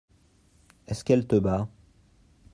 Est-ce qu'elle te bat ?